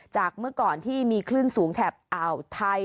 จากเมื่อก่อนที่มีคลื่นสูงแถบไทย